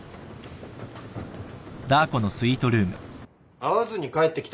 会わずに帰ってきた？